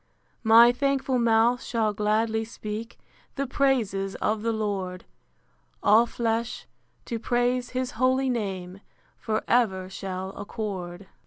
My thankful mouth shall gladly speak The praises of the Lord: All flesh, to praise his holy name, For ever shall accord.